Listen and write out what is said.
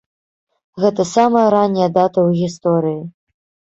Гэта самая ранняя дата ў гісторыі.